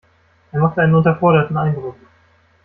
Er macht einen unterforderten Eindruck.